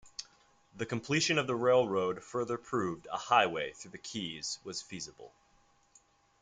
The completion of the railroad further proved a highway through the keys was feasible.